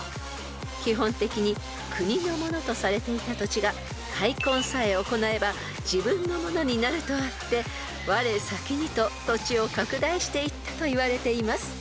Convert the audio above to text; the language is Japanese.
［基本的に国のものとされていた土地が開墾さえ行えば自分のものになるとあってわれ先にと土地を拡大していったといわれています］